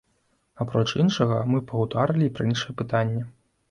Апроч іншага мы пагутарылі і пра іншыя пытанні.